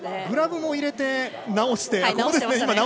グラブも入れて直して。